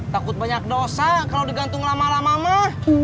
takut banyak dosa kalo digantung lama lama emak